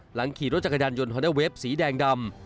หลังขี่รถจักรยานยนต์ฮอนดอเวฟสีแดงดำ